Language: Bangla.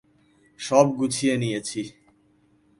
সব গুছিয়ে নিয়েছি।